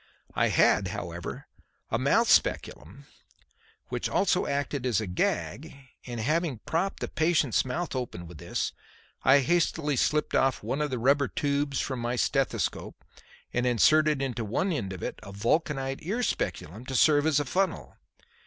I had, however, a mouth speculum which also acted as a gag, and, having propped the patient's mouth open with this, I hastily slipped off one of the rubber tubes from my stethoscope and inserted into one end of it a vulcanite ear speculum to serve as a funnel.